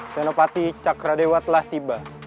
senopati cakra dewa telah tiba